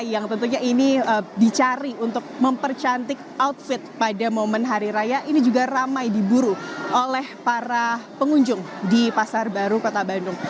yang tentunya ini dicari untuk mempercantik outfit pada momen hari raya ini juga ramai diburu oleh para pengunjung di pasar baru kota bandung